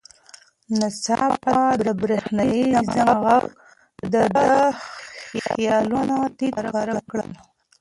ناڅاپه د برېښنایي زنګ غږ د ده خیالونه تیت پرک کړل.